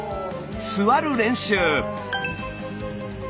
「座る」練習。